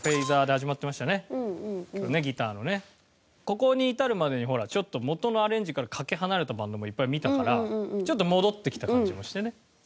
ここに至るまでにほらちょっと元のアレンジからかけ離れたバンドもいっぱい見たからちょっと戻ってきた感じもしてね。